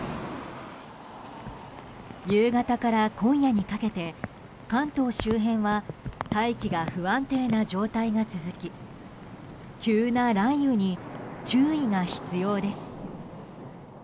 夕方から今夜にかけて関東周辺は大気が不安定な状態が続き急な雷雨に注意が必要です。